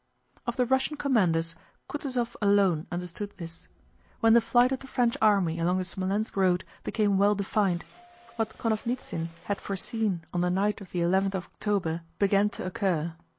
Of the Russian commanders Kutúzov alone understood this. When the flight of the French army along the Smolénsk road became well defined, what Konovnítsyn had foreseen on the night of the eleventh of October began to occur.